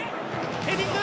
ヘディング。